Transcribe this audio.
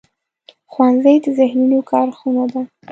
ښوونځی د ذهنونو کارخونه ده